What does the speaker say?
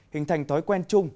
hình thành thói quen chung